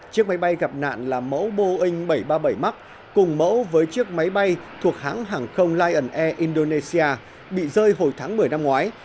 chiếc máy bay gặp nạn là mẫu boeing bảy trăm ba mươi bảy mark cùng mẫu với chiếc máy bay thuộc hãng hàng không lion air indonesia bị rơi hồi tháng một mươi năm ngoái